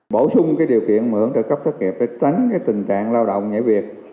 bổ sung điều kiện mượn từ cấp thất nghiệp để tránh tình trạng lao động nghệ việc